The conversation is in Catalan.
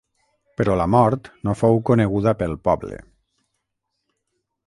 Però la mort no fou coneguda pel poble.